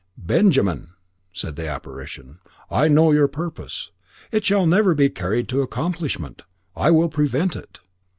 "Benjamin," said the apparition, "I know your purpose. It shall never be carried to accomplishment. I will prevent it."